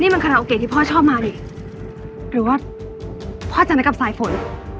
นี่มันคณะโอเคที่พ่อชอบมาดิหรือว่าพ่อจะนัดกับสายฝน